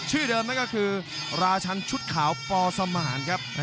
ชื่อเดิมนั่นก็คือราชันชุดขาวปสมานครับ